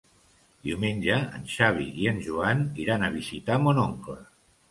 Diumenge en Xavi i en Joan iran a visitar mon oncle.